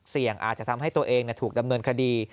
อาจจะทำให้ตัวเองถูกดำเนินคดี